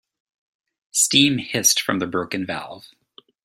Steam hissed from the broken valve.